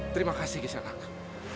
terima kasih gisal kakak